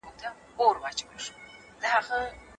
ما غوښتل چې د هغې زړې کوچۍ سره مرسته وکړم.